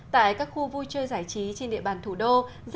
tại các khu vui chơi giải trí trên địa bàn thủ đô